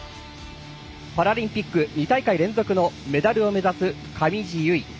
パラリンピック２大会連続のメダルを目指す上地結衣。